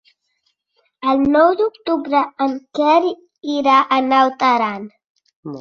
El nou d'octubre en Quer irà a Naut Aran.